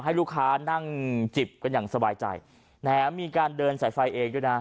ให้ลูกค้านั่งจิบกันอย่างสบายใจแม้มีการเดินสายไฟเองด้วยนะ